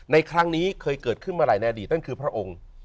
ในครั้งนี้เคยเกิดขึ้นมาหลายในอดีตนั่นคือพระองค์